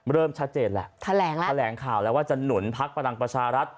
เริ่มชัดเจนแหละแถลงแล้วแถลงข่าวแล้วว่าจะหนุนพักพลังประชารัฐ